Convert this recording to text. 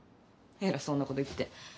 偉そうなこと言って。